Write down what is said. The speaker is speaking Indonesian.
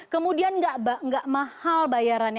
kemudian gak mahal bayarannya